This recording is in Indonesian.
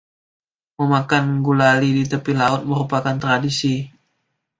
Memakan gulali di tepi laut merupakan tradisi